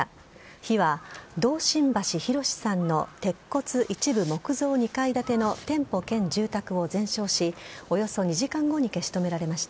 火は、堂新橋弘さんの鉄骨一部木造２階建ての店舗兼住宅を全焼しおよそ２時間後に消し止められました。